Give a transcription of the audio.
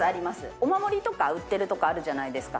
お守りとか売ってる所あるじゃないですか。